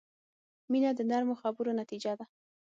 • مینه د نرمو خبرو نتیجه ده.